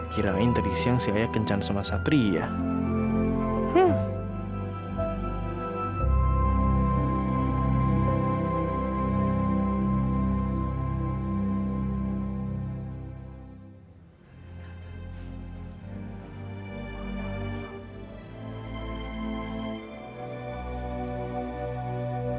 kirain tadi siang si ayah kencan sama satria ya